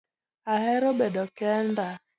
Ahero bedo kenda